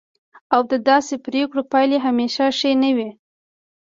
او د داسې پریکړو پایلې همیشه ښې نه وي.